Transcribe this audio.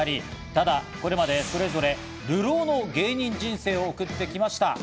ただこれまで、それぞれ流浪の芸人人生を送ってきました。